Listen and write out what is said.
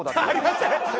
ありましたね！